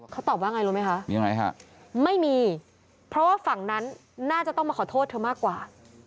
เขาตอบว่าไงรู้ไหมคะยังไงฮะไม่มีเพราะว่าฝั่งนั้นน่าจะต้องมาขอโทษเธอมากกว่า